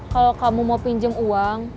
kalau kamu mau pinjam uang